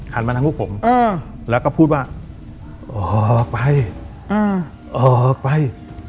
หันมาทั้งพวกผมอืมแล้วก็พูดว่าออกไปอืมออกไป